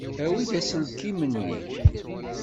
Awi-d aselkim-nni.